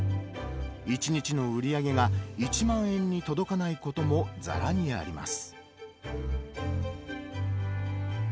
１日の売り上げが１万円に届かないこともざらにあります。